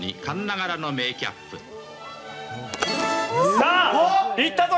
さあいったぞ！